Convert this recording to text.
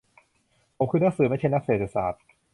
ผมคือนักสืบ ไม่ใช่นักเศรษฐศาสตร์